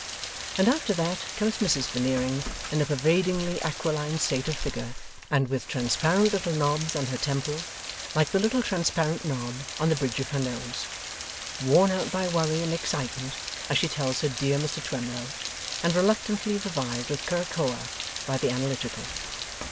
And after that, comes Mrs Veneering, in a pervadingly aquiline state of figure, and with transparent little knobs on her temper, like the little transparent knob on the bridge of her nose, 'Worn out by worry and excitement,' as she tells her dear Mr Twemlow, and reluctantly revived with curacoa by the Analytical.